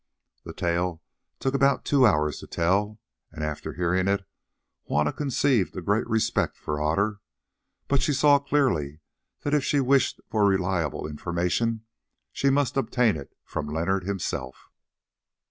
The tale took about two hours to tell, and after hearing it Juanna conceived a great respect for Otter, but she saw clearly that if she wished for reliable information she must obtain it from Leonard himself.